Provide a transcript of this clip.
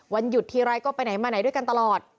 หยุดทีไรก็ไปไหนมาไหนด้วยกันตลอด